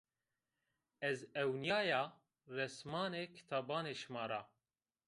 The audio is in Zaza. Ez ewnîyaya resimanê kitabanê şima ra